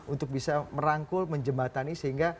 untuk bisa merangkul menjembatani sehingga